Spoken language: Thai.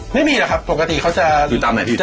ไม่มีหรอกครับปกติเขาจะอยู่ตามไหนพี่